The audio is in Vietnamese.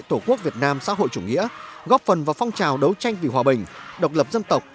tổ quốc việt nam xã hội chủ nghĩa góp phần vào phong trào đấu tranh vì hòa bình độc lập dân tộc